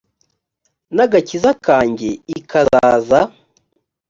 n agakiza kanjye i kazaza